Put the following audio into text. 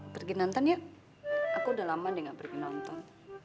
pergi nonton ya aku udah lama dia nggak pergi nonton